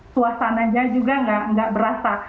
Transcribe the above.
puasaan aja juga nggak berasa